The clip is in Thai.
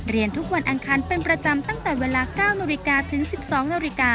เรียนทุกวันอังคัญเป็นประจำตั้งแต่เวลา๙นถึง๑๒น